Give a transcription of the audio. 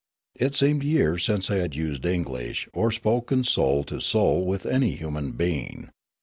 It seemed years since I had used English, or spoken soul to soul with any human being.